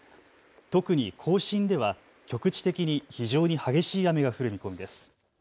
特に甲信では局地的に非常に激しい雨が降る見込みです。